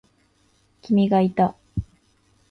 君がいた。